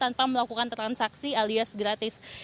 tanpa melakukan transaksi alias gratis